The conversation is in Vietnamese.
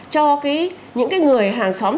cho cái những cái người hàng xóm